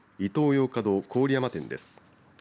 ヨーカドー郡山店です。